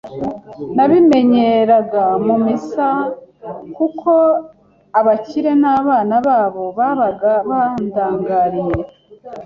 Nabimenyeraga mu misa kuko abakire n’abana babo babaga bandangariye